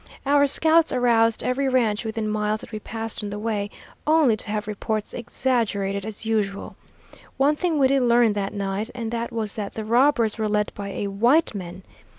Our scouts aroused every ranch within miles that we passed on the way, only to have reports exaggerated as usual. One thing we did learn that night, and that was that the robbers were led by a white man.